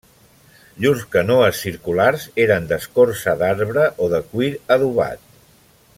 Llurs canoes circulars eren d'escorça d'arbre o de cuir adobat.